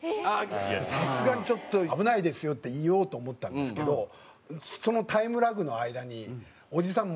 いやさすがにちょっと危ないですよって言おうと思ったんですけどそのタイムラグの間におじさん